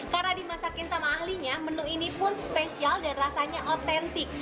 karena dimasakin sama ahlinya menu ini pun spesial dan rasanya otentik